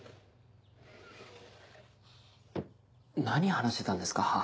何話してたんですか？